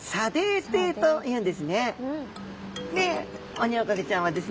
オニオコゼちゃんはですね